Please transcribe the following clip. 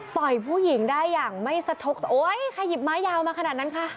ผู้หญิงได้อย่างไม่สะทกจะโอ๊ยใครหยิบไม้ยาวมาขนาดนั้นคะ